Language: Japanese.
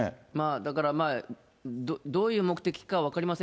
だから、どういう目的か分かりません。